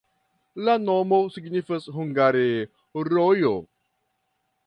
La nomo signifas hungare: rojo.